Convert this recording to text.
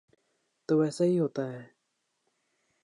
تو ایسا ہی ہوتا ہے۔